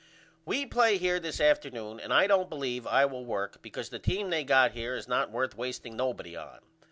We play here this afternoon and I don't believe I will work because the team they got here is not worth wasteing nobody on.